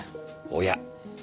おや。